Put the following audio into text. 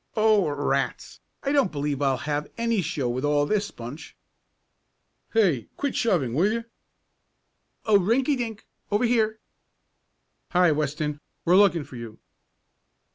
"Oh, rats! I don't believe I'll have any show with all this bunch!" "Hey, quit shoving; will you?" "Oh, Rinky Dink! Over here!" "Hi, Weston, we're looking for you."